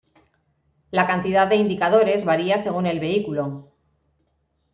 La cantidad de indicadores varía según el vehículo.